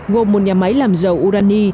gồm một nhà máy làm dầu urani